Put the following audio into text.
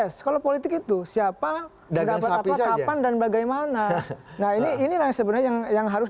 sekolah politik itu siapa dagang sampai kapan dan bagaimana nah ini inilah sebenarnya yang yang harus